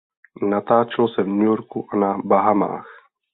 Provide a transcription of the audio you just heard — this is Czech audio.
Natáčelo se v New Yorku a na Bahamách.